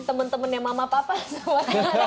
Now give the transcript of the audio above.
temen temennya mama papa semua